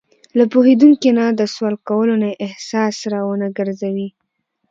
له پوهېدونکي نه د سوال کولو نه یې احساس را ونهګرځوي.